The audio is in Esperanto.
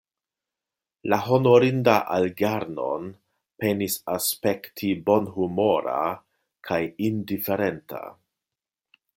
La honorinda Algernon penis aspekti bonhumora kaj indiferenta.